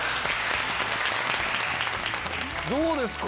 どうですか？